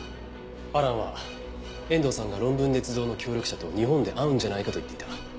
アランは遠藤さんが論文捏造の協力者と日本で会うんじゃないかと言っていた。